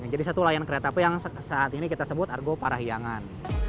jadi satu layanan kereta api yang saat ini kita sebut argo parahiangan